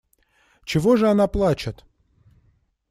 Чего же она плачет?